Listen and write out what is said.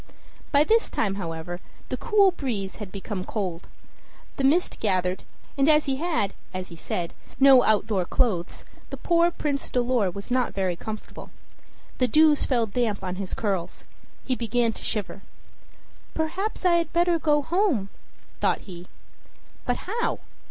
By this time, however, the cool breeze had become cold; the mist gathered; and as he had, as he said, no outdoor clothes, poor Prince Dolor was not very comfortable. The dews fell damp on his curls he began to shiver. "Perhaps I had better go home," thought he. But how?